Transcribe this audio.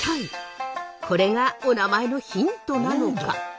これがお名前のヒントなのか？